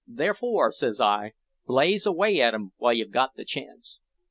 Therefore, says I, blaze away at 'em while you've got the chance."